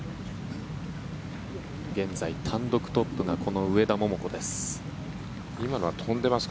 現在単独トップがこの上田桃子です。